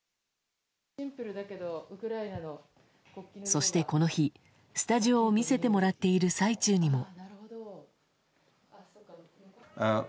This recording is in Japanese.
そして、この日、スタジオを見せてもらっている最中にも。